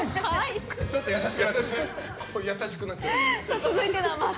ちょっと優しくなった。